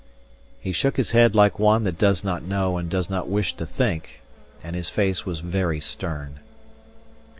He shook his head like one that does not know and does not wish to think, and his face was very stern.